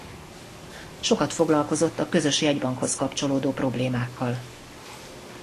Sokat foglalkozott a közös jegybankhoz kapcsolódó problémákkal.